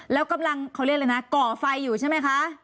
แล้วกำลังเขาเรียกอะไรนะก่อไฟอยู่ใช่ไหมคะ